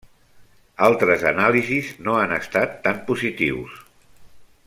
Altres anàlisis no han estat tan positius.